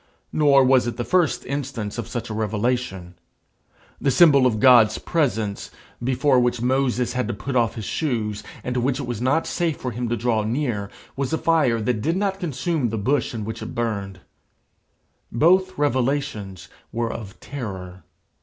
Nor was it the first instance of such a revelation. The symbol of God's presence, before which Moses had to put off his shoes, and to which it was not safe for him to draw near, was a fire that did not consume the bush in which it burned. Both revelations were of terror.